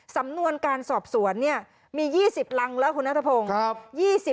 สำนวนการสอบสวนเนี่ยมี๒๐รังแล้วคุณนัทพงศ์